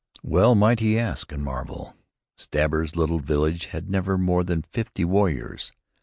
Well might he ask and marvel! Stabber's little village had never more than fifty warriors.